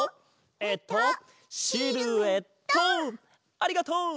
ありがとう！